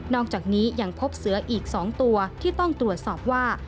อกจากนี้ยังพบเสืออีก๒ตัวที่ต้องตรวจสอบว่า